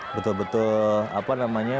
betul betul apa namanya